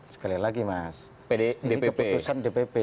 sekali lagi mas ini keputusan dpp